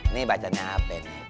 nih bacanya apa ini